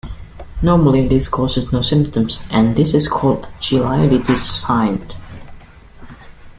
Normally this causes no symptoms, and this is called Chilaiditi's sign.